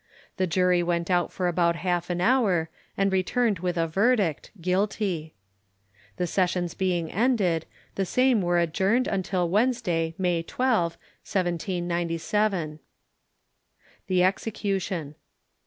The jury went out for about half an hour, and returned with a verdict Guilty. The sessions being ended, the same were adjourned until Wednesday, July 12, 1797. THE EXECUTION.